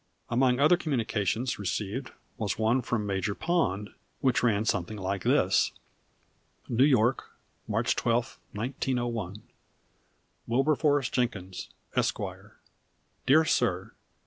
Among other communications received was one from Major Pond, which ran somewhat like this: New York, March 12, 1901. WILBERFORCE JENKINS, Esq. Dear Sir.